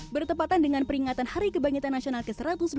bertepatan dengan peringatan hari kebangkitan nasional ke satu ratus empat puluh